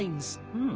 うん。